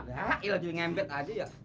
dahil aja ngembet aja ya